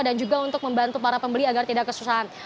dan juga untuk membantu para pembeli agar tidak kesusahan